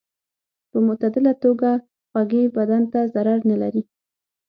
په معتدله توګه خوږې بدن ته ضرر نه لري.